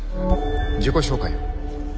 自己紹介を。